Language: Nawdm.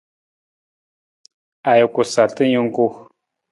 Ajuku sarta jungku.